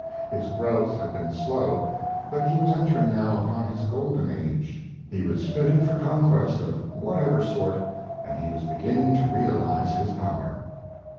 His growth had been slow, but he was entering now upon his golden age; he was fitted for conquest of whatever sort, and he was beginning to realize his power.